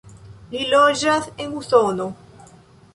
Li loĝas en Usono.